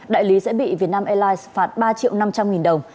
đại lý sẽ bị vietnam airlines phạt ba triệu năm trăm linh nghìn đồng